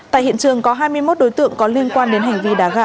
tại hiện trường có hai mươi một đối tượng có liên quan đến hành vi đá gà